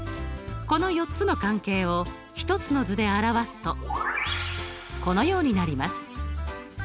この４つの関係を１つの図で表すとこのようになります。